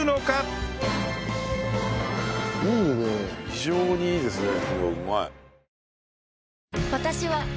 非常にいいですね。